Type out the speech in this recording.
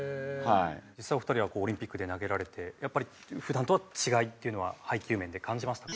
実際にお二人はオリンピックで投げられてやっぱり普段との違いっていうのは配球面で感じましたか？